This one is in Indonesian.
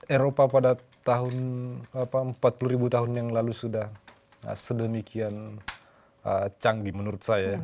eropa pada tahun empat puluh ribu tahun yang lalu sudah sedemikian canggih menurut saya